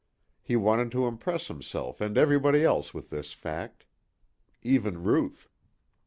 He wanted to impress himself and everybody else with this fact. Even Ruth.